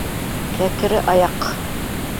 — Кәкре аяҡ.